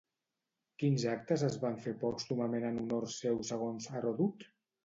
Quins actes es van fer pòstumament en honor seu segons Heròdot?